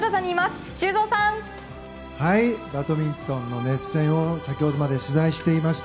バドミントンの熱戦を先ほどまで取材していました。